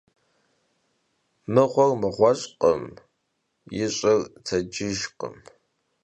Mığuer mığueş'khım, yiş'ır tecıjjkhım.